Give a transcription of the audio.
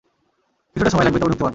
কিছুটা সময় লাগবে, তবে ঢুকতে পারবো।